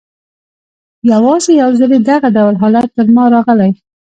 یوازي یو ځلې دغه ډول حالت پر ما راغلی.